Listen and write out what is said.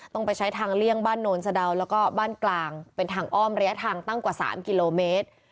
ต้องไปใช้ทางเลี่ยงบ้านโนนสะดาวแล้วก็บ้านกลางเป็นทางอ้อมระยะทางตั้งกว่า๓กิโลเมตร